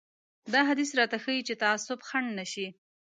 دا حديث راته ښيي چې تعصب خنډ نه شي.